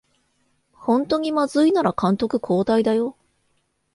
ほんとにまずいなら監督交代だよ